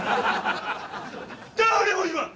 誰も言わん！